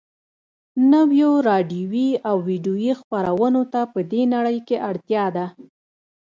نویو راډیویي او ويډیویي خپرونو ته په دې نړۍ کې اړتیا ده